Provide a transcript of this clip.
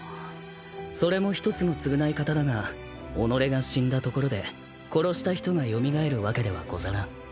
それも一つの償い方だが己が死んだところで殺した人が蘇るわけではござらん。